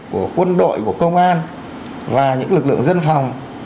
của quân đội của công an và những lực lượng dân phòng